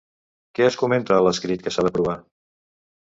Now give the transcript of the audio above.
Què es comenta a l'escrit que s'ha d'aprovar?